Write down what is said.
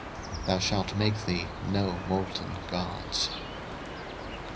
02:034:017 Thou shalt make thee no molten gods.